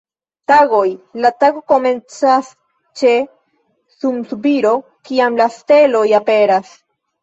Tagoj: la tago komencas ĉe sunsubiro, kiam la steloj aperas.